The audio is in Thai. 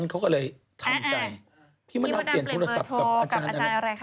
พี่มดามเปลี่ยนโทรศัพท์กับอาจารย์อะไรค่ะพี่มดามเปลี่ยนเบอร์โทรศัพท์กับอาจารย์อะไรค่ะ